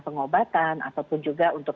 pengobatan ataupun juga untuk